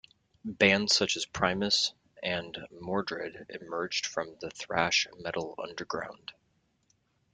Bands such as Primus and Mordred emerged from the thrash metal underground.